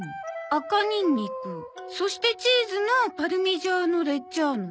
赤ニンニクそしてチーズのパルミジャーノ・レッジャーノ。